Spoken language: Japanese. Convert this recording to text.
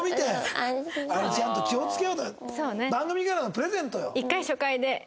番組からのプレゼントよ。